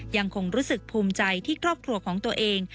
ยังคงรู้สึกภูมิใจที่ครอบครัวของตัวเอง